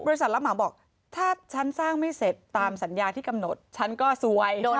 รับเหมาบอกถ้าฉันสร้างไม่เสร็จตามสัญญาที่กำหนดฉันก็ซวย